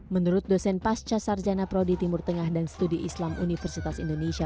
menurut dosen pasca sarjana prodi timur tengah dan studi islam universitas indonesia